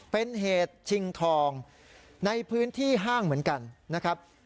เป็นเหตุชิงทองในพื้นที่ห้างเหมือนกันนะครับ